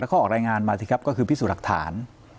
แล้วเขาออกรายงานมาก็คือพิสูจน์หลักฐาน